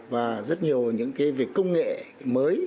và rất nhiều những công nghệ mới